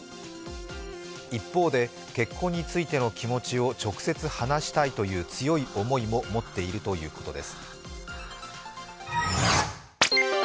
一方で、結婚についての気持ちを直接話したいという強い思いも持っているということです。